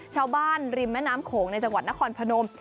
ชาวบ้านริมแม่น้ำโขงในจังหวัดนครพนม